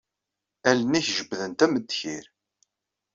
Allen-ik jebbdent am ddkir.